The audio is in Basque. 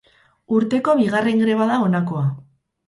Urteko bigarren greba da honakoa.